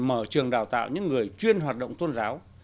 mở trường đào tạo những người chuyên hoạt động tôn giáo